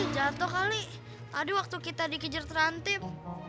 jatuh kali tadi waktu kita dikijer terhantim